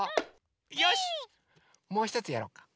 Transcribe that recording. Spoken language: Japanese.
よしっもうひとつやろうか。